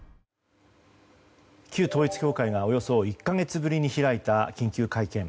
旧統一教会がおよそ１か月ぶりに開いた緊急会見。